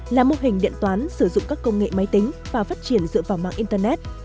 là mô hình điện toán sử dụng các công nghệ máy tính và phát triển dựa vào mạng internet